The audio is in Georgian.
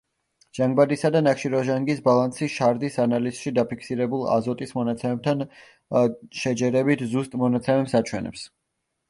ჟანგბადისა და ნახშირორჟანგის ბალანსი შარდის ანალიზში დაფიქსირებულ აზოტის მონაცემებთან შეჯერებით, ზუსტ მონაცემებს აჩვენებს.